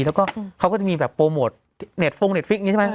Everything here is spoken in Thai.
แล้วก็เขาก็จะมีโปรโมทเน็ตโฟงเน็ตฟิกใช่ไหม